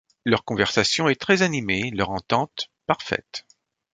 Leur conversation est très animée, leur entente, parfaite.